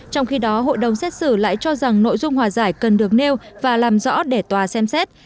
trong khi đó hội đồng xét xử lại cho rằng nội dung hòa giải cần được nêu và làm rõ để tòa xem xét